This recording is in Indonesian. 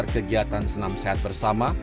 kegiatan senam sehat bersama